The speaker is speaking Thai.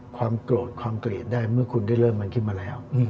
ความโกรธความเกลียดได้เมื่อคุณได้เริ่มมันขึ้นมาแล้ว